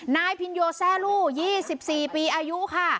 นายพิญโยแซ่ลุยี่สิบสี่ปีอายุค่ะ